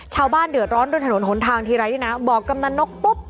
ชาวบ้านเดือดร้อนด้วยถนนหนทางทีไรด้วยนะบอกกำนันนกปุ๊บ